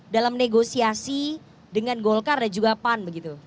dalam negosiasi dengan golkar dan juga pan begitu